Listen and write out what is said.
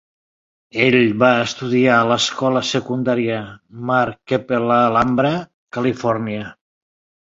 Ell va estudiar al l'escola secundària Mark Keppel a Alhambra, Califòrnia.